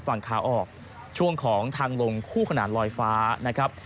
ฝั่งขาออกช่วงของทางลงคู่ขนาดลอยฟ้านะครับ